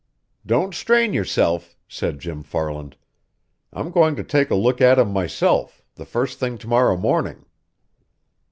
"Don't strain yourself," said Jim Farland. "I'm going to take a look at him myself, the first thing to morrow morning."